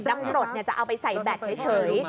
น้ำกรดจะเอาไปใส่แบตเฉย